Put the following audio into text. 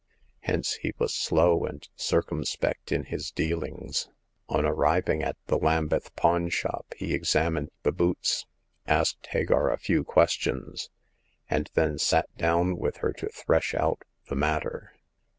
Hence he was slow and circumspect in his dealings. On arriving at the Lambeth pawn shop he ex amined the boots, asked Hagar a few questions, and then sat down with her to thresh out the matter.